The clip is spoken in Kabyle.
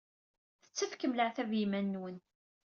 Tettakfem leɛtab i yiman-nwen.